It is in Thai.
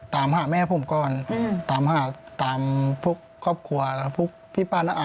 ครับแล้วอย่างไรต่อกัน